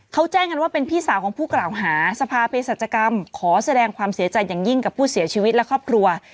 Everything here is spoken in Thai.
เขาแจ้งกันว่าเป็นพี่สาวของผู้กล่าวหาสภาเพศรัชกรรมขอแสดงความเสียใจอย่างยิ่งกับผู้เสียชีวิตและครอบครัว